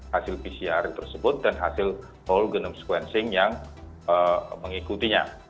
hasil pcr tersebut dan hasil whole genome sequencing yang mengikutinya